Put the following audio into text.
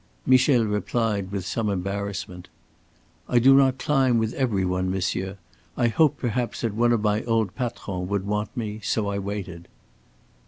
Michel replied with some embarrassment: "I do not climb with every one, monsieur. I hoped perhaps that one of my old patrons would want me. So I waited."